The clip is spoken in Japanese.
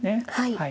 はい。